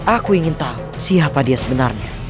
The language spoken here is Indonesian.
aku ingin tahu siapa dia sebenarnya